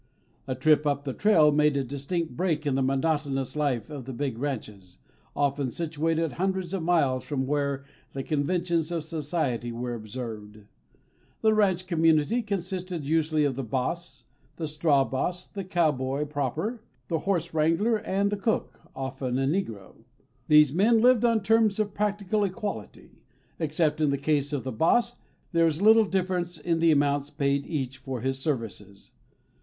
A trip up the trail made a distinct break in the monotonous life of the big ranches, often situated hundreds of miles from where the conventions of society were observed. The ranch community consisted usually of the boss, the straw boss, the cowboys proper, the horse wrangler, and the cook often a negro. These men lived on terms of practical equality. Except in the case of the boss, there was little difference in the amounts paid each for his services.